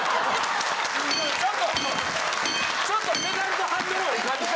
ちょっとちょっとペダルとハンドルも。